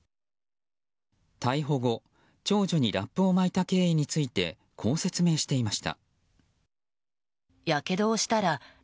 逮捕後、長女にラップを巻いた経緯についてこう説明していました。